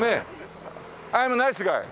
アイムナイスガイ。